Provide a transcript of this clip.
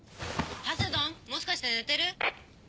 ハセドンもしかして寝てる？